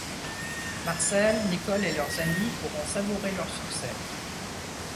Marcel, Nicole et leurs amis pourront savourer leur succès.